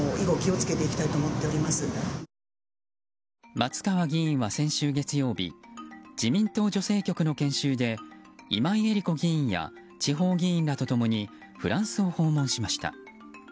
松川議員は先週月曜日自民党女性局の研修で今井絵理子議員や地方議員らと共にフランスを訪問しました。